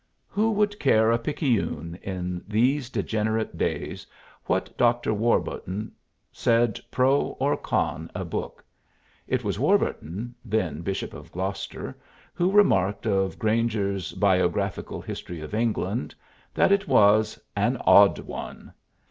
Who would care a picayune in these degenerate days what Dr. Warburton said pro or con a book? It was Warburton (then Bishop of Gloucester) who remarked of Granger's "Biographical History of England" that it was "an odd one."